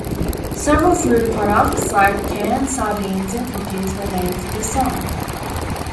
Several food products, like canned sardines and cookies, were named for this song.